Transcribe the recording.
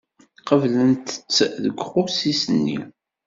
Qeblent-tt deg uqusis-nni.